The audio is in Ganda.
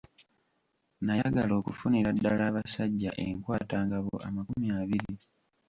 Nayagala okufunira ddala abasajja enkwatangabo amakumi abiri.